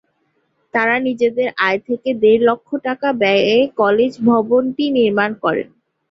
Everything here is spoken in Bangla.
তারা নিজেদের আয় থেকে দেড় লক্ষ টাকা ব্যয়ে কলেজ ভবনটি নির্মাণ করেন।